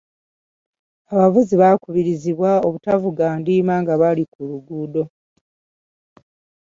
Abavuzi bakubirizibwa obutavuga ndiima nga bali ku luguudo.